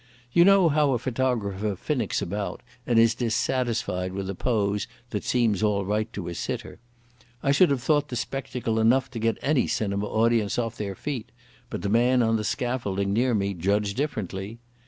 You know how a photographer finicks about and is dissatisfied with a pose that seems all right to his sitter. I should have thought the spectacle enough to get any cinema audience off their feet, but the man on the scaffolding near me judged differently.